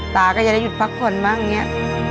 ตาก็จะได้หยุดพักผ่อนบ้างเนี่ย